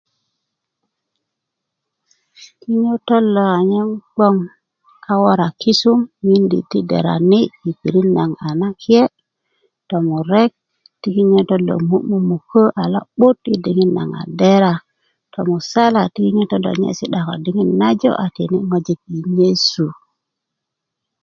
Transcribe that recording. kinyotó lo anyen gboŋ a wora kisum miidi ti derani i pirit naŋ a na kiye tomurek ti kinyot lo mumumukä a lo 'but i diŋit naŋ a dera tomusalá ti kinyotó lo nye sidá ko diŋit na jo a tikini ŋojik i yesu